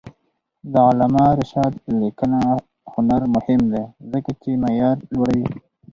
د علامه رشاد لیکنی هنر مهم دی ځکه چې معیار لوړوي.